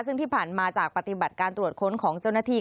ซึ่งที่ผ่านมาจากปฏิบัติการตรวจค้นของเจ้าหน้าที่